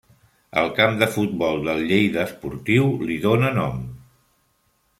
El camp de futbol del Lleida Esportiu li dóna nom.